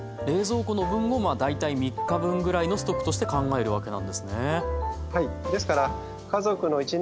冷蔵庫の分をまあ大体３日分ぐらいのストックとして考えるわけなんですね。